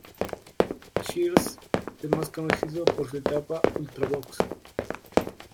Shears es más conocido por su etapa con Ultravox!.